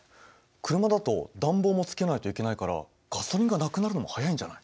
車だと暖房もつけないといけないからガソリンがなくなるのも早いんじゃない？